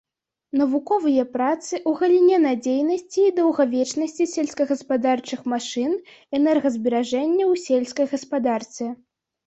Навуковыя працы ў галіне надзейнасці і даўгавечнасці сельскагаспадарчых машын, энергазберажэння ў сельскай гаспадарцы.